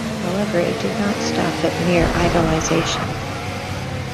However, it did not stop at mere idolisation.